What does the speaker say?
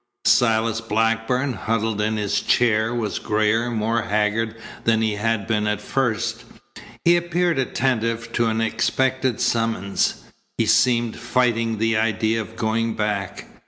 Silas Blackburn, huddled in his chair, was grayer, more haggard than he had been at first. He appeared attentive to an expected summons. He seemed fighting the idea of going back.